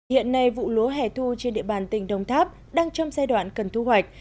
hiện nay vụ lúa hẻ thu trên địa bàn tỉnh đồng tháp đang trong giai đoạn cần thu hoạch